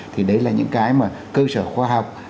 thì đấy là những cái mà cơ sở khoa học